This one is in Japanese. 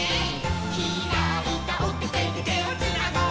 「ひらいたオテテでてをつなごう」